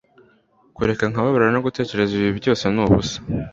kureka nkababara no gutekereza ibi byose ni ubusa